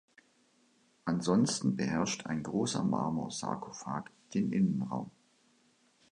Ansonsten beherrscht ein großer Marmorsarkophag den Innenraum.